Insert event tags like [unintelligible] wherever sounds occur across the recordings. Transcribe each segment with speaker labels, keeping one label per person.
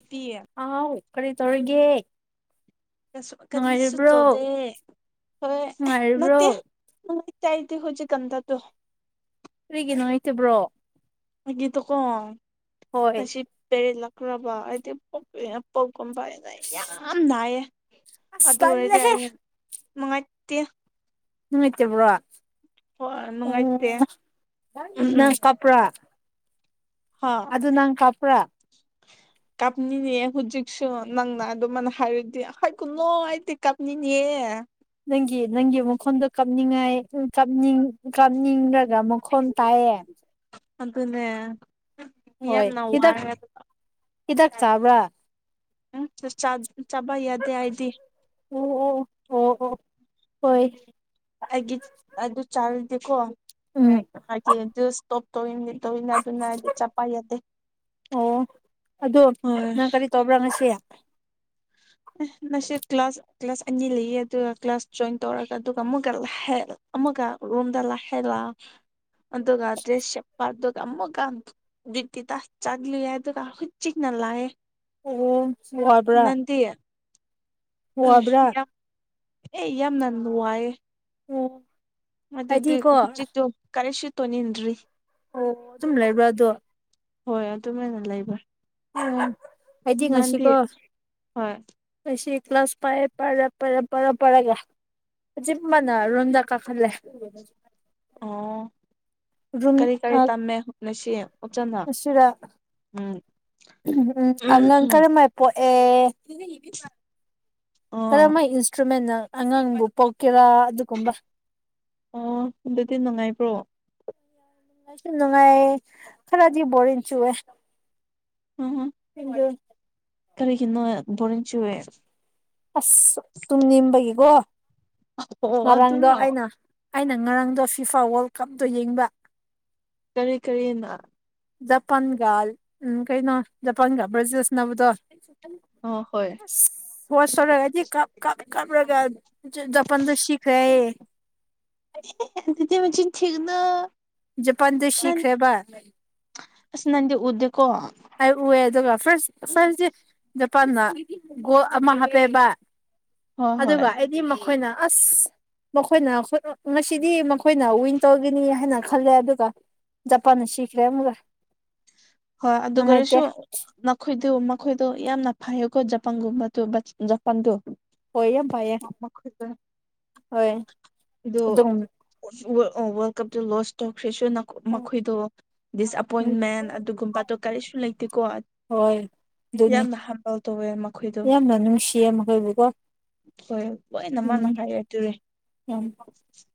Speaker 1: ꯅꯨꯄꯤ
Speaker 2: ꯑ ꯀꯔꯤ ꯇꯧꯔꯒꯦ
Speaker 1: ꯀ ꯁꯨ ꯆꯧꯗꯦ ꯍꯣꯏ
Speaker 2: ꯅꯨꯡꯉꯥꯏꯔꯤꯕ꯭ꯔꯣ
Speaker 1: ꯅꯠꯇꯦ ꯆꯥꯏꯗꯤ ꯍꯧꯖꯤꯦ ꯀꯟꯗꯗꯨꯣ
Speaker 2: ꯐꯔꯤꯒꯦ ꯅꯣꯣꯏꯇꯕ꯭ꯔꯣ
Speaker 1: ꯃꯥ ꯇ ꯀꯣ ꯃꯁꯤ ꯄꯦꯔ ꯂꯥꯛ ꯀ꯭ꯔꯕ ꯍꯥꯏꯗꯤ ꯄꯣꯛꯅ ꯄꯣꯛꯀꯨꯝꯕ ꯍꯥꯏꯅ ꯌꯥꯝ ꯅꯥꯏꯌꯦ
Speaker 2: ꯑꯁ ꯀꯜꯂꯍꯦ
Speaker 1: ꯃ
Speaker 2: ꯎꯇꯦꯕ꯭ꯔꯣ
Speaker 1: ꯍꯣꯏ ꯅꯨꯡꯉꯥꯏꯇ
Speaker 2: ꯑꯗꯨꯗ ꯅꯪ ꯀꯄ꯭ꯔ
Speaker 1: ꯀꯥꯞꯅꯤꯡꯅꯦ ꯍꯧꯖꯤꯛꯁꯨ ꯅꯪꯅ ꯑꯗꯨꯃꯥꯏꯅ ꯍꯥꯏꯔꯨꯗꯤ ꯍ ꯀꯨꯅꯣ ꯑꯩꯗꯤ ꯀꯥꯞꯅꯤꯡꯅꯤꯌꯦ
Speaker 2: ꯅꯪꯒꯤ ꯅꯪꯒꯤ ꯃꯈꯣꯟꯗꯣ ꯀꯥꯞꯅꯤꯡꯉꯥꯏ ꯀꯅꯤꯡ ꯀꯥꯞꯅꯤꯡꯂꯒ ꯃꯈꯣꯟ ꯇꯥꯏꯌꯦꯦ
Speaker 1: ꯑꯗꯨꯅꯦ ꯌꯥꯝ ꯅꯧꯋꯥꯒ
Speaker 2: ꯏꯥꯛ ꯆꯕ꯭ꯔ
Speaker 1: ꯆ ꯆꯥꯕ ꯌꯥꯗꯦ ꯍꯥꯏꯗꯤ
Speaker 2: ꯑꯣ ꯑꯣ ꯑꯣ ꯑꯣ ꯍꯣꯏ
Speaker 1: ꯑꯩꯒꯤ ꯑꯗꯨ ꯆꯥꯔꯤꯗꯤꯦꯀꯣ
Speaker 2: ꯎꯝ
Speaker 1: ꯑꯩꯒꯤ ꯑꯗꯨ ꯁꯇꯣꯞ ꯇꯧꯋ ꯇꯅ ꯑꯗꯨꯅꯗꯤ ꯆꯞꯄ ꯌꯥꯗꯦ
Speaker 2: ꯑꯣ ꯑꯗꯣ
Speaker 1: ꯍꯣꯏ
Speaker 2: ꯅꯪ ꯀꯔꯤ ꯇꯧꯕ꯭ꯔꯥ ꯉꯁꯤ [unintelligible]
Speaker 1: ꯅꯁꯤ ꯀ꯭ꯂꯥꯁ ꯀ꯭ꯂꯥꯁ ꯑꯅꯤ ꯂꯩꯌꯦ ꯑꯗꯨꯒ ꯀ꯭ꯂꯥꯁ ꯖꯣꯏꯟ ꯇꯧꯔꯒ ꯑꯗꯨꯒ ꯑꯃꯨꯛꯀ ꯑꯃꯨ ꯔꯨꯝꯗ ꯂ ꯍꯂ ꯑꯗꯨꯒ ꯗ꯭ꯔꯦꯁ ꯆꯄ ꯑꯗꯨ ꯑꯃꯝꯃꯛꯀꯥꯟ ꯏ ꯇ ꯇꯥꯁ ꯆꯥꯠꯂꯤ ꯌꯥ ꯑꯗꯨꯒ ꯍꯨꯠ ꯆꯤꯛꯅ ꯂꯥꯛꯑꯦ
Speaker 2: ꯑꯣ ꯆꯨꯍꯥꯄ
Speaker 1: [unintelligible] ꯑ ꯌꯥꯝ ꯑꯦ ꯌꯥꯝꯅ ꯅꯨꯡ ꯋꯥꯌꯦ
Speaker 2: ꯑꯣ
Speaker 1: ꯃꯗꯗꯤ
Speaker 2: ꯑꯩꯗꯤꯀꯣ
Speaker 1: ꯍꯨꯖꯤꯗꯨ ꯀꯔꯤꯁꯤ ꯇꯣꯅꯤꯟꯔꯤ
Speaker 2: ꯑꯣ ꯑꯗꯨꯝ ꯂꯩꯕ꯭ꯔꯥ ꯑꯣ
Speaker 1: ꯍꯣꯏ ꯑꯗꯨꯃꯥꯏꯅ ꯂꯩꯕ꯭ꯔꯥ
Speaker 2: ꯑꯣ ꯍꯥꯏꯗꯤ ꯉꯁꯤꯀꯣ
Speaker 1: ꯍꯣꯏ
Speaker 2: ꯉꯁꯤ ꯀ꯭ꯂꯥꯁ ꯐꯥꯏꯌꯦ ꯄꯔ ꯄꯔꯄꯔꯄꯔꯒ ꯖꯤꯃꯅ ꯔꯣꯝꯗ ꯀꯥꯈꯜꯂ
Speaker 1: ꯑꯣ ꯀꯔꯤ ꯀꯔꯤ ꯇꯝꯃꯦ ꯍꯣꯠꯅꯁꯤ
Speaker 2: ꯑꯁꯤꯔ ꯎꯝ ꯎꯝ ꯑꯉꯥꯡ
Speaker 1: ꯎꯝ
Speaker 2: ꯀꯔꯝ ꯃꯥꯏ ꯄꯣꯛꯑꯦ
Speaker 1: ꯑꯣ
Speaker 2: ꯀꯔꯍ ꯏꯟꯁꯇ꯭ꯔꯨꯃꯦꯟꯅ ꯑꯉꯥꯡꯕꯨ ꯄꯣꯛ ꯀ ꯑꯗꯨ ꯀꯨꯝꯕ
Speaker 1: ꯑꯣ ꯑꯗꯨꯗꯤ ꯅꯨꯡꯉꯥꯏꯕ꯭ꯔꯣ
Speaker 2: ꯅꯨꯡꯉꯥꯏ ꯁ ꯅꯨꯡꯉꯥꯏ ꯊꯔꯖꯤ ꯣꯂꯤ ꯆꯨ ꯍꯗ
Speaker 1: ꯀꯔꯤ ꯀꯅ ꯄꯨꯅꯤ ꯆꯋꯦ
Speaker 2: ꯑꯁ ꯇꯨꯝꯃꯤꯅꯤꯝꯕꯒꯤꯒꯣ
Speaker 1: ꯑꯣ
Speaker 2: ꯉꯔꯥꯡꯗꯣ
Speaker 1: ꯑꯗꯨꯔꯣ
Speaker 2: ꯑꯩꯅ ꯑꯩꯅ ꯉꯔꯥꯡꯗꯣ ꯐꯤꯐꯥ ꯋꯥꯔꯜ ꯀꯞꯇꯣ ꯌꯦꯡꯕ
Speaker 1: ꯀꯔꯤ ꯀꯔꯤꯅ
Speaker 2: ꯖꯄꯥꯥꯟꯒ ꯎꯝ ꯀꯩꯅꯣ ꯖꯄꯥꯥꯟꯒ ꯭ꯔꯦꯖꯤꯜꯁ ꯅꯕꯗꯣ
Speaker 1: ꯑꯣ ꯍꯣꯏ
Speaker 2: ꯍ ꯁꯅꯖꯤ ꯀ ꯀ ꯀꯔꯒ ꯄꯟꯗ ꯁꯤꯈ꯭ꯔꯦ
Speaker 1: ꯗꯤ ꯃ ꯊꯒꯅ
Speaker 2: ꯖꯄꯥꯟꯗ ꯁꯤꯈ꯭ꯔꯦꯕ
Speaker 1: ꯑꯁ ꯅꯗꯤ ꯎꯗ ꯀꯣ
Speaker 2: ꯑꯩ ꯎꯑꯦ ꯑꯗꯨꯒ ꯐꯔ ꯐꯁꯦ ꯖꯄꯥꯟꯅ ꯒꯣ ꯑꯃ ꯍꯥꯞꯄꯦꯕ
Speaker 1: ꯍꯣꯏ ꯍꯣꯏ
Speaker 2: ꯑꯗꯨꯒ ꯑꯩꯗꯤ ꯃꯈꯣꯏꯅ ꯑꯁ ꯃꯈꯣꯏꯅ ꯉꯁꯤꯗꯤ ꯃꯈꯣꯏꯅ ꯋꯤꯟ ꯇꯧꯈꯤꯅꯤ ꯍꯥꯏꯅ ꯈꯜꯂꯦ ꯑꯗꯨꯒ ꯄꯥꯟꯅ ꯁꯤꯤꯈꯔꯦ ꯃꯒ
Speaker 1: ꯍꯣꯏ ꯑꯗꯨꯒ ꯑꯣꯏꯔꯁꯨ ꯅꯈꯣꯏꯗꯨ ꯃꯈꯣꯏꯗꯣ ꯌꯥꯝꯅ ꯐꯩ ꯣ ꯖꯄꯥꯟꯒꯨꯝꯕꯗꯨ ꯖꯄꯥꯟꯗꯨ
Speaker 2: ꯍꯣꯏ ꯌꯥꯝ ꯐꯩꯌꯦ
Speaker 1: ꯃꯈ
Speaker 2: ꯍꯣꯏ
Speaker 1: ꯑꯗꯨꯗꯣ
Speaker 2: ꯑꯗꯨꯝ
Speaker 1: ꯑꯣ ꯋꯥꯔꯜ ꯀꯞꯇꯣ ꯂꯣꯁ ꯇꯧꯈ꯭ꯔꯦꯁꯨ ꯃꯈꯣꯏꯗꯣ
Speaker 2: ꯎꯝ
Speaker 1: ꯗꯤꯁꯑꯄꯣꯏꯟꯃꯦꯟ ꯕꯥꯇ ꯀꯥꯦ ꯁ ꯂꯩ ꯂꯩꯇ ꯀꯣꯋꯥꯗ
Speaker 2: ꯍꯣꯏ ꯑꯗꯨꯅꯤ
Speaker 1: ꯌꯥꯝꯅ ꯍꯝꯕꯜ ꯇꯧꯋꯦ ꯃꯈꯣꯏꯗꯣ
Speaker 2: ꯌꯥꯝꯅ ꯅꯨꯡꯁꯤꯌꯦ ꯃꯈꯣꯏꯕꯨꯀꯣ
Speaker 1: ꯍꯣꯏ ꯂꯣꯏꯅ ꯃꯥꯅ ꯍꯥꯏꯔꯛꯇꯣꯔꯦ
Speaker 2: ꯎꯝ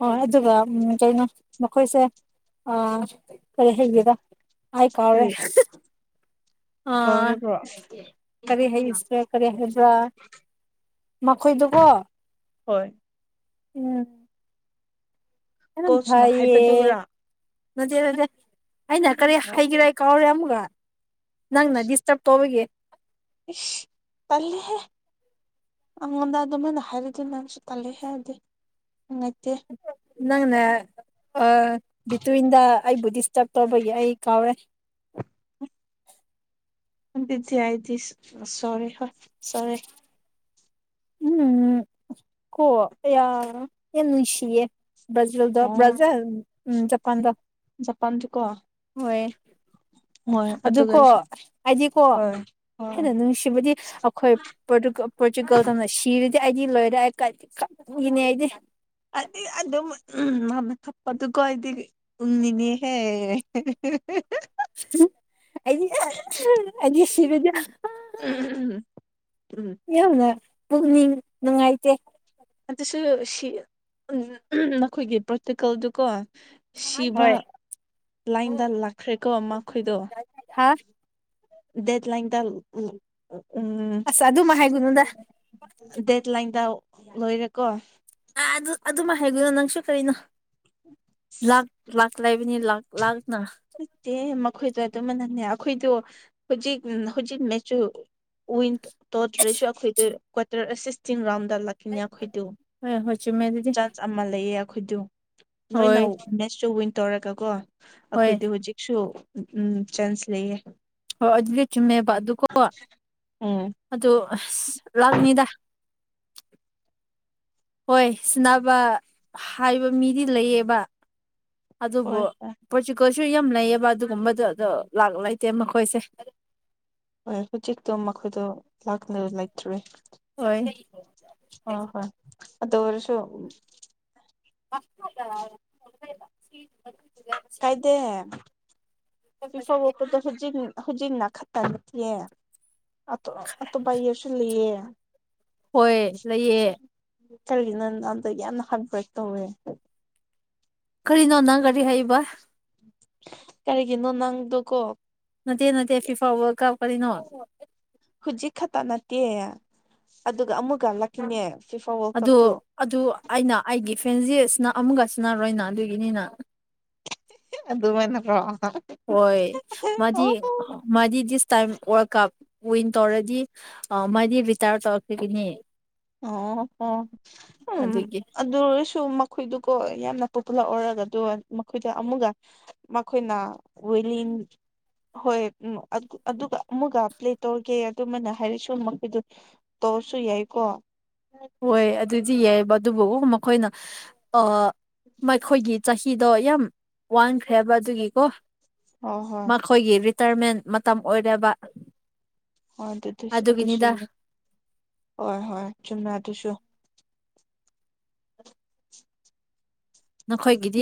Speaker 2: ꯎ ꯑꯗꯨꯒ ꯎꯝ ꯀꯩꯅꯣ ꯃꯈꯣꯏꯁꯦ ꯑ ꯀꯔꯤꯦ ꯍꯦꯒꯔ ꯍꯥꯏꯥꯏ ꯀꯥꯎ꯭ꯔꯦ
Speaker 1: ꯀꯧꯔꯤꯕ꯭ꯔꯣ
Speaker 2: ꯀꯔꯤ ꯍꯥꯏꯁꯦ ꯀꯔꯤ ꯍꯥꯏꯕ꯭ꯔꯥ ꯃꯈꯣꯏꯗꯨꯀꯣ
Speaker 1: ꯍꯣꯏ
Speaker 2: ꯎꯝ ꯀꯅ
Speaker 1: ꯀꯣꯆꯅ
Speaker 2: ꯐꯏꯌꯦ
Speaker 1: ꯍꯥꯏꯕꯗꯨꯔꯥ
Speaker 2: ꯅꯠꯇꯦ ꯅꯠꯇꯦ ꯑꯩꯅ ꯀꯔꯤ
Speaker 1: ꯑꯣ
Speaker 2: ꯍꯥꯏꯒꯦꯔꯦ ꯀꯥꯎꯔꯦ ꯑꯃꯒ ꯅꯪ ꯅ
Speaker 1: ꯑꯁ
Speaker 2: ꯗꯤꯁꯇꯔꯔꯕ ꯇꯧꯕꯒꯦ
Speaker 1: ꯏꯁ ꯇꯦꯍꯦ ꯑꯉꯗ ꯑꯗꯨ ꯃꯅ ꯍꯥꯏꯔꯗꯨ ꯅꯪꯁꯨ ꯀꯂꯦ ꯍꯥꯏꯦꯗꯦ
Speaker 2: ꯅꯪꯅꯦ ꯑ ꯇꯕꯤꯟ ꯑꯩꯕꯨ ꯗꯤꯁꯇꯔꯕ ꯇꯧꯕꯒꯤ ꯑꯩ ꯀꯥꯎꯔꯦ
Speaker 1: ꯗꯤ ꯑꯥꯏꯗꯤ ꯁꯣꯔꯤ ꯍ ꯁꯣꯔꯤꯦ
Speaker 2: ꯎꯝ ꯀꯣ ꯌꯥꯝ ꯅꯨ ꯏꯁꯤꯦ ꯭ꯔꯥꯖꯤꯜꯗ
Speaker 1: ꯑꯣ
Speaker 2: ꯭ꯔꯥꯖꯤꯜ ꯎꯝ ꯖꯄꯥꯟꯗ
Speaker 1: ꯄꯀꯣ
Speaker 2: ꯍꯣꯏ ꯑꯗꯨ ꯀꯣ
Speaker 1: ꯑꯗꯨꯒꯁꯨ
Speaker 2: ꯍꯥꯏꯗꯤꯀꯣ
Speaker 1: ꯍꯣꯏ ꯍꯣꯏ
Speaker 2: ꯍꯦꯟꯅ ꯅꯨꯡꯁꯤꯕꯗꯤ ꯑꯩꯈꯣꯏ ꯄꯣꯔꯇꯨꯒꯜ ꯇꯝꯅ ꯁꯤꯔꯤ ꯑꯩꯗꯤ ꯂꯣꯏꯔꯦ ꯑꯩ ꯀꯒꯤꯅꯦ ꯑꯩꯗꯤ
Speaker 1: ꯑꯗꯨꯗꯤ ꯑꯗꯨꯝ ꯎ ꯃꯅ ꯊꯞꯄꯗꯨ ꯀꯣꯗꯤ ꯎꯟꯅꯤꯅꯦꯍꯦ
Speaker 2: ꯑꯩ ꯑꯖꯤ ꯁꯤꯕꯗ
Speaker 1: ꯎꯝ
Speaker 2: ꯌꯥꯝꯅ ꯄꯨꯛꯅꯤꯡ ꯅꯨꯡꯉꯥꯏꯇꯦ
Speaker 1: ꯑꯗꯨꯁꯨ ꯁꯤ ꯅꯈꯣꯏꯒꯤ ꯄ꯭ꯔꯥꯛꯇꯤꯀꯜꯗꯨꯀꯣ ꯁꯤꯕ
Speaker 2: ꯍꯣꯏ
Speaker 1: ꯂꯥꯏꯟꯗꯥ ꯂꯥꯛꯈ꯭ꯔꯦꯀꯣ ꯃꯈꯣꯏꯗꯣ
Speaker 2: ꯍꯥ
Speaker 1: ꯗꯦꯠ ꯂ ꯇ ꯎ ꯎꯝ
Speaker 2: ꯑꯁ ꯑꯗꯨꯃ ꯍꯥꯏꯒꯅꯨꯗ
Speaker 1: ꯗꯦꯠ ꯂꯥꯏꯟꯗ ꯂꯣꯏꯔꯦꯀꯣ
Speaker 2: ꯑꯗꯨꯃ ꯍꯥꯏꯒꯣꯏꯅꯣ ꯅꯪꯁꯨ ꯀꯔꯤꯅꯣ ꯄ ꯂꯥꯛ ꯂꯥꯛꯅ
Speaker 1: ꯅꯠꯇꯦ ꯃꯈꯣꯏꯗꯣ ꯑꯗꯨꯃꯛꯅꯪꯅꯦ ꯑꯩꯈꯣꯏꯗꯣ ꯍꯧꯖꯤꯛ ꯍꯧꯖꯤꯛ ꯃꯦꯆꯨ ꯋꯤꯟ ꯇꯧꯗ꯭ꯔꯁꯨ ꯑꯩꯈꯣꯏꯗ ꯀ꯭ꯇꯔꯁꯇ ꯔꯥꯎꯟꯗ ꯂ ꯑꯩꯈꯣꯏꯗꯨ
Speaker 2: ꯍꯣꯏ ꯍꯣꯏ ꯆꯨꯝꯃꯦ ꯑꯗꯨꯗꯤ
Speaker 1: ꯆꯥꯟꯁ ꯑꯃ ꯂꯩꯌꯦ ꯑꯩꯈꯣꯏꯗ ꯂꯣꯏꯅ
Speaker 2: ꯍꯣꯏ
Speaker 1: ꯃꯦꯠꯁꯁꯨ ꯋꯤꯟ ꯇꯧꯔꯒꯀꯣ
Speaker 2: ꯍꯣꯏ
Speaker 1: ꯑꯩꯈꯣꯏꯗꯤ ꯍꯧꯖꯤꯛꯁꯨ ꯎꯝ ꯆꯥꯟꯁ ꯂꯩꯌꯦ
Speaker 2: ꯍꯣꯏ ꯑꯗꯨꯗꯤ ꯆꯨꯝꯃꯦꯕꯕꯥ ꯑꯗꯨꯀꯣ
Speaker 1: ꯎꯝ
Speaker 2: ꯑꯗꯨ ꯂꯥꯛꯅꯤꯗꯥ ꯍꯣꯏ ꯁꯤꯅꯕ ꯍꯥꯏꯕ ꯃꯤꯗꯤ ꯂꯩꯌꯦꯕ ꯑꯗꯨꯕꯨ
Speaker 1: ꯍꯣꯏ ꯍꯣꯏ
Speaker 2: ꯄ ꯆꯩ ꯀ ꯁ ꯌꯥꯝ ꯂꯩꯌꯦꯕ ꯑꯗꯨꯒꯨꯝꯕꯗꯣ ꯑꯗꯣ ꯂꯥꯛ ꯂꯩꯇꯦ ꯃꯈꯣꯏꯁꯦ
Speaker 1: ꯍꯣꯏ ꯍꯧꯖꯤꯛꯇꯣ ꯃꯈꯣꯏꯗꯣ ꯂꯥꯛꯅ ꯂꯩꯇ꯭ꯔꯦ
Speaker 2: ꯍꯣꯏ
Speaker 1: ꯑꯗꯣꯔꯁ
Speaker 2: [unintelligible]
Speaker 1: ꯀꯥꯏꯗꯦ ꯄꯐꯕꯨꯄꯗ ꯍꯨꯖꯤ ꯍꯨꯖꯤꯅꯥ ꯈꯛꯇ ꯅꯠꯇꯦ ꯑꯇꯣꯞꯄ ꯌꯦꯁꯨ ꯂꯩꯌꯦ
Speaker 2: ꯍꯣꯏ ꯂꯩꯌꯦ
Speaker 1: ꯀꯔꯤꯒꯤ ꯅꯪ ꯑꯗ ꯌꯥꯝꯅ ꯍꯥꯔꯗ ꯋꯥꯔꯛ ꯇꯧꯋꯦ
Speaker 2: ꯀꯔꯤꯅꯣ ꯅꯪ ꯀꯔꯤ ꯍꯥꯏꯕ
Speaker 1: ꯀꯔꯤꯒꯤꯅꯣ ꯅꯪꯗꯨꯀꯣ
Speaker 2: ꯅꯠꯇꯦ ꯅꯠꯇꯦ ꯐꯤꯐꯥꯎꯕ ꯀ ꯀꯔꯤꯅꯣ
Speaker 1: ꯍꯧꯖꯤꯛ ꯈꯛꯇ ꯅꯠꯇꯦ ꯑꯗꯨꯒ ꯑꯃꯨꯛꯀꯂꯛꯈꯤꯅꯦ
Speaker 2: ꯑꯗꯨ ꯑꯗꯨ ꯑꯩꯅ ꯑꯩꯒꯤ ꯐ꯭ꯔꯦꯟꯁꯦꯁꯅ ꯑꯃꯨꯛꯀ ꯁꯤꯟꯅꯔꯣꯏꯅ ꯑꯗꯨꯒꯤꯅꯤꯅ
Speaker 1: ꯑꯗꯨꯃꯥꯏꯅꯠꯇ꯭ꯔꯣ
Speaker 2: ꯍꯣꯏ ꯃꯥꯗꯤ ꯃꯗꯤ ꯁ ꯇꯥꯏꯝ ꯋꯥ ꯀꯞ ꯋꯤꯟ ꯇꯧꯔꯗꯤ ꯃꯗꯤ ꯔꯤꯇꯥꯌꯔ ꯇꯧꯔꯛꯈꯤꯒꯅꯤ
Speaker 1: ꯑꯣ ꯍꯣ ꯎꯝ
Speaker 2: ꯑꯗꯨꯒꯤ
Speaker 1: ꯑꯗꯨꯁꯨ ꯃꯈꯣꯏꯗꯨ ꯀꯣ ꯌꯥꯝꯅ ꯄꯣꯄꯨꯂꯔ ꯑꯣꯏꯔꯒ ꯑꯗꯨꯣ ꯃꯈꯣꯏꯗ ꯑꯃꯨꯛꯒ ꯃꯈꯣꯏꯅ ꯋꯤꯂꯤꯟ ꯍꯣꯏ ꯎꯝ ꯑꯗꯨꯒ ꯑꯃꯒ ꯄ꯭ꯂꯦ ꯇꯧꯔꯒꯦ ꯑꯗꯨꯃꯅ ꯍꯥꯏꯔꯤ ꯁꯃꯛ ꯇꯁꯨ ꯌꯥꯏꯀꯣ
Speaker 2: ꯍꯣꯏ ꯑꯗꯨꯗꯤ ꯌꯥꯏꯑꯕ ꯑꯗꯨꯕꯨ ꯃꯈꯣꯏꯅ ꯃꯈꯣꯏꯒꯤ ꯆꯍꯤ ꯐꯤꯗꯣ ꯌꯥꯝ ꯋꯥꯟꯈ꯭ꯔꯦꯕ ꯑꯗꯨꯒꯤꯀꯣ
Speaker 1: ꯍꯣꯏ ꯍꯣꯏ
Speaker 2: ꯃꯈꯣꯏꯒꯤ ꯔꯤꯇꯥꯔꯃꯦꯟ ꯃꯇꯝ ꯑꯣꯏꯔꯕ
Speaker 1: ꯍꯣꯏ ꯑꯗꯨꯗꯤ ꯑꯗꯨꯁꯨꯅꯦ ꯍꯣꯏ ꯍꯣꯏ ꯆꯨꯝꯃꯦ ꯑꯗꯨꯁꯨ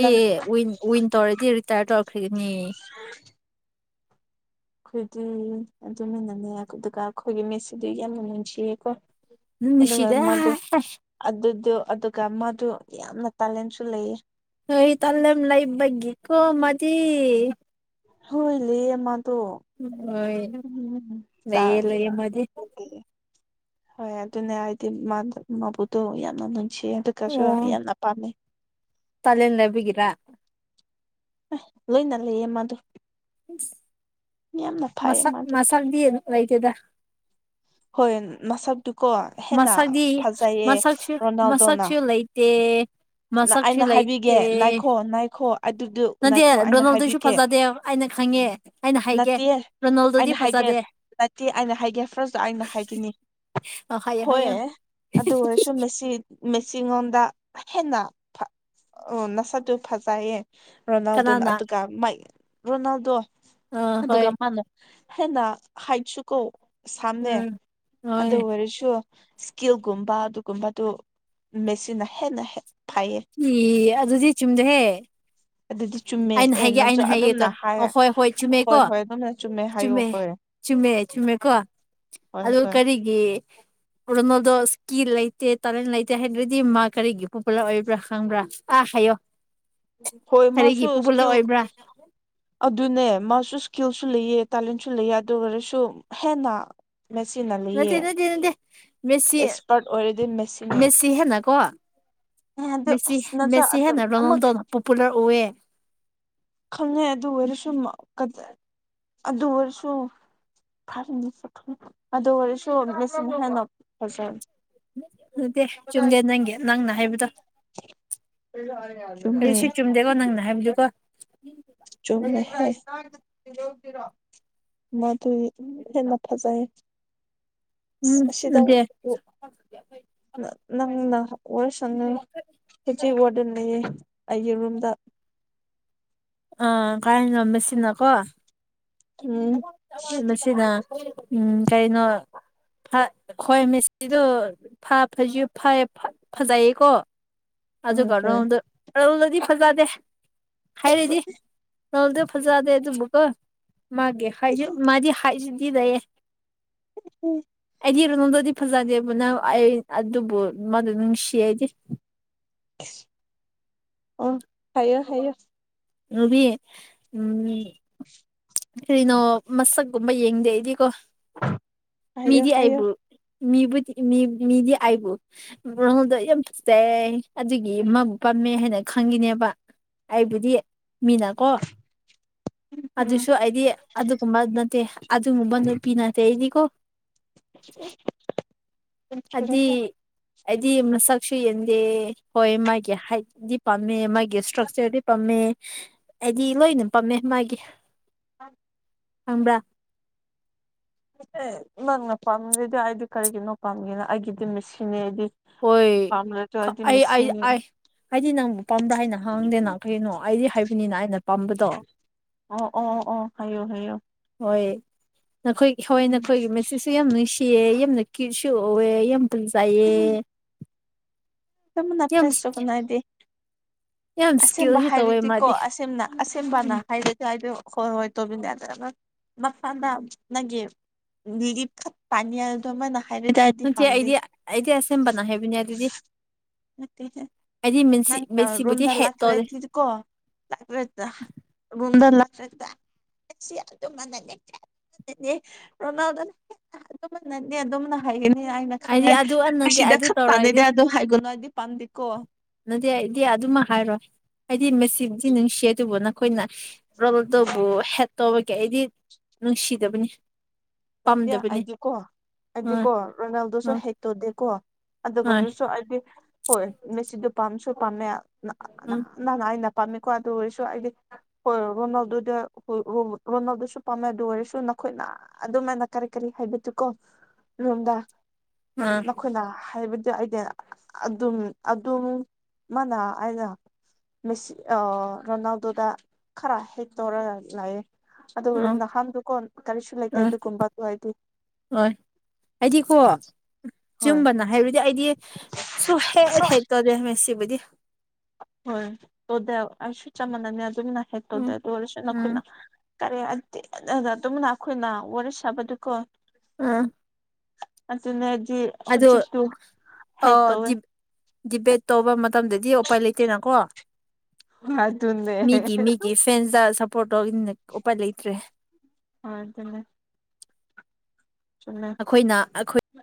Speaker 1: ꯂꯝ
Speaker 2: ꯋꯤꯟ ꯇꯧꯔꯗꯤ ꯔꯤꯇꯥꯌꯔ ꯇꯧꯔꯛꯈꯒꯅꯤ
Speaker 1: ꯑꯗꯨꯗꯤ ꯑꯗꯨꯃꯅꯅꯦ ꯑꯗꯨꯒꯒ ꯑꯩꯈꯣꯏꯒꯤ ꯃꯤꯦꯠꯁꯤꯗꯤ ꯌꯥꯝꯅ ꯅꯨꯡꯁꯤꯌꯦꯀꯣ
Speaker 2: ꯅꯨꯡꯁꯤꯗ
Speaker 1: ꯃꯗꯨ ꯑꯗꯨ ꯑꯗꯨ ꯑꯗꯨꯒ ꯃꯥꯗꯨ ꯌꯥꯝꯅ ꯇꯦꯂꯦꯟꯁꯨ ꯂꯩꯌꯦ
Speaker 2: ꯑꯩꯣꯏ ꯇꯂꯝ ꯂꯩꯥꯏꯕꯕꯒ ꯀꯣ ꯃꯗꯤ
Speaker 1: ꯍꯣꯏꯂ ꯃ ꯇꯣ
Speaker 2: ꯍꯣꯏ
Speaker 1: ꯇ
Speaker 2: ꯂꯩꯌꯦ ꯂꯩꯌꯦ ꯃꯥꯗꯤ
Speaker 1: ꯍꯣꯏ ꯑꯗꯨ ꯑꯗꯨꯅꯦ ꯍꯥꯏꯗꯤ ꯃꯥ ꯃꯥꯕꯨꯗ ꯌꯥꯅꯣꯏ ꯁꯤ ꯑꯗꯨꯒꯁꯨ ꯌꯥꯝꯅ ꯄꯥꯝꯃꯦ
Speaker 2: ꯇꯂꯅ ꯂꯕꯒꯔꯥ
Speaker 1: ꯂꯣꯏꯅ ꯂꯩ ꯌꯦꯃ ꯑꯗꯨ
Speaker 2: ꯃꯁꯥ
Speaker 1: ꯃꯥꯗꯣ
Speaker 2: ꯃꯁꯜꯗꯤ ꯂꯩꯇꯦꯗ
Speaker 1: ꯍꯣꯏ ꯃꯁꯛꯇꯨꯀꯣ ꯍꯦꯟꯅ
Speaker 2: ꯃꯁꯛꯗꯤ
Speaker 1: ꯐꯖꯩꯌꯦ
Speaker 2: ꯃꯁꯛꯁꯨ
Speaker 1: ꯔꯣꯅꯥꯜꯗꯣꯅ
Speaker 2: ꯃꯁꯛꯁꯨ ꯂꯩꯇꯦ ꯃꯁꯥꯁꯤꯤ
Speaker 1: ꯑꯩꯅ
Speaker 2: ꯂꯇꯦ
Speaker 1: ꯍꯥꯏꯕꯤꯒꯦ ꯅꯥꯏꯈꯣ ꯅꯥꯏꯈꯣ ꯑꯗꯨꯗꯨ
Speaker 2: ꯅꯗꯤꯦ
Speaker 1: ꯅꯥꯏꯈꯣ ꯑꯩꯅ
Speaker 2: ꯔꯣꯅꯥꯜꯗꯩꯁꯨ
Speaker 1: ꯍꯥꯏꯕꯤꯒꯦ
Speaker 2: ꯐꯖꯗꯦ ꯑꯩꯅ ꯈꯪꯉꯦ ꯑꯩꯅ ꯍꯩꯒꯦ
Speaker 1: ꯅꯠꯇꯦ ꯑꯩꯅ
Speaker 2: ꯔꯣꯅꯣꯜꯗꯣꯗꯤ
Speaker 1: ꯍꯥꯏꯒꯦ
Speaker 2: ꯐꯖꯗꯦ
Speaker 1: ꯅꯠꯇꯦ ꯑꯩꯅ ꯍꯥꯏꯒꯦ ꯑꯩꯅ ꯍꯥꯏꯈꯤꯅꯤ
Speaker 2: ꯑ ꯍꯥꯏꯌꯦ
Speaker 1: ꯍꯣꯏ
Speaker 2: ꯍꯥꯏꯌꯦ
Speaker 1: ꯑꯗꯨ ꯁꯨꯝ ꯃꯁꯤꯁꯤ ꯃꯦꯆꯉꯣꯟꯗ ꯍꯦꯟꯅ ꯅꯁꯠꯇꯨ ꯐꯖꯩꯌꯦ ꯔꯣꯅꯥꯜꯗꯣꯅ
Speaker 2: ꯀꯅꯥꯅ
Speaker 1: ꯑꯗꯨꯒ ꯃꯥꯏ ꯔꯣꯅꯥꯜꯗꯣ
Speaker 2: ꯑ ꯍꯣꯏ
Speaker 1: ꯑꯗꯨꯒ ꯃꯥꯅꯣ ꯍꯦꯟꯅ ꯍꯥꯏꯠꯁꯨ ꯀꯧ ꯁꯥꯝꯃꯦ
Speaker 2: ꯎꯝ ꯍꯣꯏ
Speaker 1: ꯑꯗꯨ ꯑꯣꯏꯔꯁꯨ ꯏꯁꯀꯤꯜꯒꯨꯝꯕ ꯑꯗꯨꯒꯨꯝꯕꯗꯨ ꯃꯦꯆꯤꯟꯅ ꯍꯦꯟꯅ ꯐꯩꯌꯦ
Speaker 2: ꯏ ꯑꯗꯨꯗꯤ ꯆꯨꯝꯗꯣꯍꯦ
Speaker 1: ꯑꯗꯨꯗꯤ ꯆꯨꯝꯃꯦ
Speaker 2: ꯑꯩꯅ
Speaker 1: ꯑꯦ
Speaker 2: ꯍꯥꯏꯒꯦ
Speaker 1: ꯅꯪꯁꯨ
Speaker 2: ꯑꯩꯅ
Speaker 1: ꯑꯗꯨꯝꯅ
Speaker 2: ꯍꯥꯏꯌꯦꯗ
Speaker 1: ꯍꯥꯏ
Speaker 2: ꯑꯣ ꯍꯣꯏ ꯍꯣꯏ ꯆꯨꯝꯃꯦꯀꯣ
Speaker 1: ꯍꯣꯏ ꯅꯪꯅ ꯍꯥꯏꯌꯣ
Speaker 2: ꯆꯨꯝꯃꯦ
Speaker 1: ꯍꯣꯏ
Speaker 2: ꯆꯨꯝꯃꯦ ꯆꯨꯝꯃꯦꯀꯣ
Speaker 1: ꯍꯣꯏ
Speaker 2: ꯑꯗꯨ
Speaker 1: ꯍꯣꯏ
Speaker 2: ꯀꯔꯤꯒꯤ ꯀꯣꯅꯣꯗꯣ ꯁꯀꯤ ꯂꯩ ꯇꯦ ꯇꯥꯂꯦꯟ ꯂꯩꯇꯦ ꯍꯥꯏꯗ꯭ꯔꯗꯤ ꯃꯥ ꯀꯔꯤꯒꯤ ꯄꯨ ꯄꯨꯂ ꯑꯣꯏꯕ꯭ꯔꯥ ꯈꯪꯕ꯭ꯔꯥ ꯑꯥ ꯍꯥꯏꯌꯣ
Speaker 1: ꯍꯣꯏ
Speaker 2: ꯀꯔꯤꯒꯤ
Speaker 1: ꯃꯥꯁꯨ
Speaker 2: ꯄꯣꯄꯨꯂꯔ
Speaker 1: ꯏꯁꯀꯤꯜ
Speaker 2: ꯑꯣꯏꯕ꯭ꯔꯥ
Speaker 1: ꯑꯗꯨꯅꯦ ꯁꯨ ꯏꯁꯀꯤꯜꯁꯨ ꯂꯩꯑ ꯇꯦꯂꯦꯟꯁꯨ ꯂꯩꯑ ꯑꯗꯨ ꯑꯣꯏꯔꯁꯨ ꯍꯦꯟꯅ ꯃꯦꯆꯤꯟꯅ
Speaker 2: ꯅꯠꯇꯦ
Speaker 1: ꯂꯩꯌꯦ
Speaker 2: ꯅꯠꯇꯦ ꯅꯠꯇꯦ ꯃꯦꯁꯤ
Speaker 1: ꯑꯦꯛꯁꯄꯥꯔꯠ ꯑꯣꯏꯔꯗꯤ ꯃꯦꯆꯤꯟꯅ
Speaker 2: ꯃꯦꯁꯤ ꯍꯦꯟꯅꯀꯣ
Speaker 1: ꯑꯗꯨ
Speaker 2: ꯃꯦꯁꯤ
Speaker 1: ꯑꯁ ꯅꯁꯨ
Speaker 2: ꯃꯦꯁꯤ
Speaker 1: ꯑꯗꯨꯝ
Speaker 2: ꯍꯦꯟꯅ
Speaker 1: ꯑꯃꯨꯛ
Speaker 2: ꯔꯣꯅꯥꯜꯗꯣꯅ ꯄꯣꯄꯨꯂꯔ ꯑꯣꯏꯌꯦ
Speaker 1: ꯈꯪꯉꯦ ꯑꯗꯨ ꯑꯣꯏꯔ ꯁꯨꯝꯃ ꯑꯗꯨꯁꯨ ꯐꯔꯅꯤ ꯑꯗꯨ ꯑꯣꯏꯔꯁꯨ ꯃꯦꯆꯤꯟ ꯍꯦꯟꯅ ꯐꯖꯕ
Speaker 2: ꯑꯗꯨꯠꯇꯦ ꯆꯨꯝꯗꯦ ꯅꯪꯒꯤ ꯅꯪꯅ ꯍꯥꯏꯕꯗꯣ ꯀꯔꯤ ꯁꯤ
Speaker 1: ꯆꯨꯝꯃꯦ
Speaker 2: ꯆꯨꯝꯗꯦꯀꯣ ꯅꯪꯅ ꯍꯥꯏꯕꯗꯨꯀꯣ
Speaker 1: ꯆ ꯃꯥꯗꯨꯏ ꯍꯦꯟꯅ ꯐꯖꯌꯦ
Speaker 2: ꯎꯝ
Speaker 1: ꯁꯤꯗꯧ
Speaker 2: ꯅꯠꯇꯦ
Speaker 1: ꯅꯪꯅ ꯑꯣꯔ ꯁꯪꯉ ꯦꯖꯤꯤ ꯑꯣꯔꯗꯅꯦꯌꯦ ꯑꯩꯒꯤ ꯔꯨꯝꯗ
Speaker 2: ꯑ ꯀꯥꯏ ꯉꯝ ꯃꯦꯁꯤꯅꯀꯣ
Speaker 1: ꯎꯝ
Speaker 2: ꯃꯦꯁꯤꯅ ꯎꯝ ꯀꯥꯏꯅ ꯍꯣꯏ ꯃꯦꯁꯤꯗꯣꯁꯨ ꯐ ꯐꯖꯩꯌꯦꯀꯣ ꯑꯗꯨ
Speaker 1: ꯍꯣꯏ
Speaker 2: ꯅꯝꯗ ꯔꯧꯗꯗꯤ ꯐꯖꯗꯦ ꯍꯥꯏꯔꯤꯗꯤ ꯅꯜꯗꯤ ꯐꯖꯗꯦ ꯑꯗꯨꯕꯨꯀ ꯃꯥꯒꯤ ꯍꯥꯏꯁꯨ ꯃꯥꯗꯤ ꯍꯥꯏꯁꯨꯗꯤ ꯂꯩꯌꯦꯦ
Speaker 1: ꯎꯝ
Speaker 2: ꯀꯗꯤꯔꯣ ꯅꯅꯨꯡꯗꯗꯤ ꯐꯖꯗꯦꯕꯅꯪ ꯑꯩ ꯑꯗꯨꯕꯨ ꯃꯥꯗ ꯅꯨꯡꯁꯤꯌꯦꯗꯤ
Speaker 1: ꯑꯣ ꯍꯥꯏꯌꯦꯌꯦ ꯍꯥꯏꯌꯦꯌꯦ
Speaker 2: ꯔꯕꯤ ꯎꯝ ꯀꯔꯤꯅꯣ ꯃꯁꯛꯀꯨꯝꯕ ꯌꯦꯡꯗꯦ ꯑꯩꯗꯤꯀꯣ
Speaker 1: ꯍꯥꯏꯌꯣ
Speaker 2: ꯃꯤꯗꯤ
Speaker 1: ꯍꯥꯏꯌꯣ
Speaker 2: ꯑꯏꯕꯨꯨ ꯃꯤꯕꯨꯗꯤ ꯃꯤꯗꯤ ꯑꯩꯕꯨ ꯃꯣꯜꯗꯣ ꯌꯥꯝ ꯐꯖꯩ ꯑꯗꯨꯒꯤ ꯃꯥꯕꯨ ꯄꯥꯝ ꯊꯝꯃꯦ ꯍꯥꯏꯅ ꯈꯪꯈꯤꯅꯦꯕ ꯑꯩꯕꯨꯗꯤ ꯃꯤꯅꯀꯣ
Speaker 1: ꯎꯝ
Speaker 2: ꯑꯗꯨꯁꯨ ꯑꯩꯗꯤ ꯑꯗꯨꯒꯨꯝꯕ ꯅꯠꯇꯦ ꯑꯗꯨꯕꯟ ꯄꯤꯅꯇ ꯍꯥꯏꯔꯤꯀꯣ
Speaker 1: ꯑꯣ
Speaker 2: ꯑꯗꯤ ꯑꯗꯤ ꯃꯁ ꯁꯨ ꯌꯦꯟꯗꯦ ꯍꯣꯏ ꯃꯥꯒꯤ ꯍꯥꯏꯠꯗꯤ ꯄꯥꯝꯃꯦ ꯃꯥꯒꯤ ꯏꯁꯇ꯭ꯔꯛꯆꯔꯗꯤ ꯄꯥꯝꯃꯦ ꯑꯩꯗꯤ ꯂꯣꯏ ꯑꯗꯨꯝ ꯄꯝꯃꯦ ꯃꯥꯒꯤ
Speaker 1: ꯑ
Speaker 2: ꯈꯪꯕ꯭ꯔ
Speaker 1: ꯦ ꯅꯪꯅ ꯄꯥꯝꯗꯗꯤ ꯑꯩꯗꯤ ꯀꯔꯤꯒꯤꯅꯣ ꯄꯥꯝꯒꯅ ꯑꯩꯒꯤꯗꯤ ꯃꯦꯁꯤꯅꯦ ꯑꯩꯗꯤ
Speaker 2: ꯍꯣꯏ
Speaker 1: ꯄꯥꯝꯂꯁꯨ ꯑꯩꯗꯤ
Speaker 2: ꯑꯩ ꯑ
Speaker 1: ꯃꯦꯁꯤꯅꯤ
Speaker 2: ꯑ ꯍꯥꯏꯗꯤ ꯅꯪꯕꯨ ꯄꯥꯝꯝꯕ꯭ꯔꯥ ꯍꯥꯏꯅ ꯍꯥꯡꯗꯦꯅ ꯀꯩꯅꯣ ꯑꯩꯗꯤ ꯍꯥꯏꯕꯅꯤꯅ ꯑꯩꯅ ꯄꯥꯝꯕꯗꯣ
Speaker 1: ꯑꯣ ꯑꯣ ꯑꯣ ꯍꯥꯏꯌꯣ ꯍꯥꯏꯌꯣ
Speaker 2: ꯅꯈꯣꯏꯒꯤ ꯍꯋꯥꯏ ꯅꯈꯣꯏꯒꯤ ꯃꯦꯆꯁꯨ ꯌꯥꯝ ꯅꯨꯡꯁꯤꯌꯦ ꯌꯥꯝꯅ ꯀ꯭ꯁꯨ ꯎꯑꯦ ꯌꯥꯝ ꯄꯟꯖꯥꯏꯑ
Speaker 1: ꯃꯅ ꯅꯄ꯭ꯔꯥꯏ ꯆ ꯀꯨꯅꯥꯏꯗꯤ
Speaker 2: ꯌꯥꯝ
Speaker 1: ꯑꯁꯦꯝꯕ
Speaker 2: ꯏꯁꯀꯤꯜꯁꯨ ꯇꯧꯋꯦ
Speaker 1: ꯍꯥꯏꯔꯗꯤꯀꯣ
Speaker 2: ꯃꯥꯗꯤ
Speaker 1: ꯑꯁꯦꯝꯅ ꯑꯁꯦꯝꯕꯅ
Speaker 2: ꯎꯝ
Speaker 1: ꯍꯥꯏꯔꯗꯤ ꯍꯥꯏꯗꯣ ꯍꯣꯏ ꯍꯣꯏ ꯇꯣꯕꯤꯟ ꯅꯥꯗꯅ [unintelligible] ꯃꯊꯥꯅ [unintelligible] ꯅꯪꯒꯤ ꯂꯤꯔꯤꯞ ꯈ ꯄꯥꯟꯅ꯭ꯌꯥꯗꯣꯃꯅ
Speaker 2: ꯅꯆꯦ ꯑꯩꯗꯤ ꯑꯩꯗꯤ ꯑꯁꯦꯡꯕꯅ ꯍꯥꯏꯕꯅꯦ ꯑꯗꯨꯗꯤ
Speaker 1: ꯅꯪꯇꯦꯗ
Speaker 2: ꯑꯩꯗꯤ ꯃꯦꯁꯤ
Speaker 1: ꯅꯪꯇ ꯔꯨꯝ
Speaker 2: ꯃꯦꯁꯤꯕꯨꯗꯤ ꯍꯦꯠ ꯇꯧꯗꯦ
Speaker 1: ꯂꯈꯔꯦꯗꯤꯀꯣ ꯂꯀꯔꯦꯗ ꯔꯨꯝꯗ ꯂꯥꯈꯗꯔꯦꯗꯥ ꯑꯠꯁꯤ ꯑꯗꯨꯝ ꯉꯟꯅ ꯅꯦꯛꯆ ꯅꯦ ꯔꯣꯅꯥꯜꯗꯣꯅ ꯑꯗꯨꯅꯅꯦ ꯑꯗꯨꯝꯅ ꯍꯥꯏꯒꯅꯤ ꯍꯥꯏꯅ
Speaker 2: ꯑꯩꯗꯤ
Speaker 1: ꯈꯪꯉꯦ
Speaker 2: ꯑꯗꯨ ꯅꯠꯇꯦ
Speaker 1: ꯑꯁꯤꯗ
Speaker 2: ꯑꯗꯨ
Speaker 1: ꯈꯠꯄꯥꯅꯤꯗ ꯑꯗꯨ ꯍꯥꯏꯒꯨꯅꯣ ꯑꯩꯗꯤ ꯄꯥꯝꯗꯦꯀꯣ
Speaker 2: ꯑꯗꯨꯗꯤ ꯑꯩꯗꯤ ꯑꯗꯨꯃ ꯍꯥꯏꯔꯣꯏ ꯍꯥꯏꯗꯤ ꯃꯦꯁꯤꯗꯤ ꯅꯨꯡꯁꯤ ꯑꯗꯨꯕꯨ ꯅꯈꯣꯏꯅ ꯔꯣꯜꯅꯥꯜꯗꯣꯕꯨ ꯍꯦꯠ ꯇꯧꯕꯒꯤ ꯑꯩꯗꯤ ꯅꯨꯡꯁꯤꯗꯕꯅꯤ
Speaker 1: ꯅꯠꯇꯦ
Speaker 2: ꯄꯥꯝꯗꯕꯅꯤ
Speaker 1: ꯑꯩꯗꯤꯀꯣ
Speaker 2: ꯍꯣꯏ
Speaker 1: ꯑꯩꯗꯤꯀꯣ ꯔꯣꯅꯥꯜꯗꯣꯁꯨ
Speaker 2: ꯍꯣꯏ
Speaker 1: ꯍꯦꯠꯇꯧꯗꯦꯀꯣ
Speaker 2: ꯍꯣꯏ
Speaker 1: ꯑꯗꯨꯒꯗꯨꯁꯨ ꯑꯩꯗꯤ ꯍꯣꯏ ꯃꯦꯁꯤꯗꯨ ꯄꯥꯝꯁꯨ ꯄꯥꯝꯃꯦ
Speaker 2: ꯎꯝ
Speaker 1: ꯅꯍꯥꯟꯅ ꯑꯩꯅ ꯄꯥꯝꯃꯦꯀꯣ ꯑꯗꯨ ꯑꯣꯏꯁꯨ ꯑꯩꯗꯤ ꯍꯣꯏ ꯔꯣꯅꯥꯜꯗꯣꯗ ꯔꯣꯅꯥꯜꯗꯁꯨ ꯄꯥꯝꯃꯦ ꯑꯗꯨ ꯑꯣꯏꯔꯁꯨ ꯑꯩꯈꯣꯏꯅ ꯑꯗꯨꯃꯥꯏꯅ ꯀꯔꯤ ꯀꯔꯤ ꯍꯥꯏꯕꯗꯨꯀꯣ ꯔꯣꯝꯗ
Speaker 2: ꯑꯥ
Speaker 1: ꯅꯈꯣꯏꯅ ꯍꯥꯏꯕ ꯑꯩꯗꯤ ꯑꯗꯨꯝ ꯑꯗꯨꯝ ꯃꯥꯅ ꯑꯩꯅ ꯃꯦꯁꯤ ꯑ ꯔꯣꯅꯥꯜꯗꯣꯗ ꯈꯔ ꯍꯦꯛ ꯇꯧꯔꯒ ꯂꯩꯑꯦ ꯑꯗꯨꯒꯅꯦ
Speaker 2: ꯑꯥ
Speaker 1: ꯅꯍꯥꯟꯗꯨꯀꯣ ꯀꯔꯤꯁꯨ ꯂꯩꯇꯦ ꯑꯗꯨꯒꯨꯝꯕꯗꯨ ꯑꯩꯗꯤ
Speaker 2: ꯑꯣꯏ ꯑꯩꯗꯤ ꯀꯣ
Speaker 1: ꯍꯣꯏ
Speaker 2: ꯆꯨꯝꯕꯅ ꯍꯥꯏꯔꯗꯤ ꯑꯩꯗꯤ ꯁꯨ ꯍꯦꯛ ꯍꯦꯛ ꯇꯧꯗꯦ ꯃꯦꯁꯁꯤꯕꯨꯗꯤ
Speaker 1: ꯍꯣꯏ ꯇꯣꯗꯦ ꯑꯩꯁꯨ ꯆꯞ ꯃꯥꯟꯅꯩꯅꯦ ꯑꯗꯨꯝꯅ ꯍꯦꯛ
Speaker 2: ꯎꯝ
Speaker 1: ꯇꯧꯗꯦ ꯑꯗꯨꯑꯣꯏꯔꯁꯨ
Speaker 2: ꯎꯝ
Speaker 1: ꯅꯈꯣꯏꯅ ꯀꯔꯤ ꯑ ꯗꯤ ꯗꯨꯝꯅ ꯑꯩꯈꯣꯏꯅ ꯋꯥꯔꯤ ꯁꯥꯕꯗꯨꯀꯣ
Speaker 2: ꯎꯝ
Speaker 1: ꯑꯗꯨꯅꯦ
Speaker 2: ꯑꯗꯨ
Speaker 1: ꯍꯧꯖꯤꯛꯇꯨ
Speaker 2: ꯑ
Speaker 1: ꯍꯦꯛ ꯇꯧꯋꯦ
Speaker 2: ꯗꯤꯞ ꯗꯤꯕꯦꯠ ꯇꯧꯕ ꯃ ꯃꯇꯝꯗꯗꯤ ꯎꯄꯥꯏ ꯂꯩꯇꯦꯅꯀꯣ
Speaker 1: ꯑꯗꯨꯅꯦ
Speaker 2: ꯃꯤꯒꯤ
Speaker 1: ꯍꯣꯏ
Speaker 2: ꯃꯤꯒꯤ ꯐꯦꯟꯁꯗ ꯁꯞ ꯄꯣꯇꯧꯏꯅ ꯎꯄꯥꯏ ꯂꯩꯇ꯭ꯔꯦ
Speaker 1: ꯑ ꯑꯗꯨꯅꯦ ꯆꯨꯝꯃꯦ
Speaker 2: ꯑꯩꯈꯣꯏꯅ ꯑꯩꯈꯣꯏ